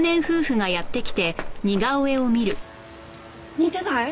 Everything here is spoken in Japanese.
似てない？